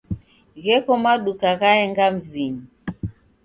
Gheko maduka ghaenga mzinyi.